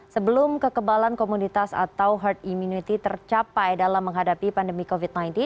sebelum kekebalan komunitas atau herd immunity tercapai dalam menghadapi pandemi covid sembilan belas